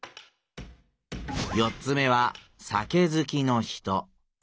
四つ目は酒ずきの人。